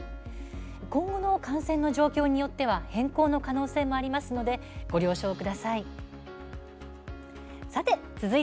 今後の感染の状況によっては変更の可能性もありますのでご了承ください。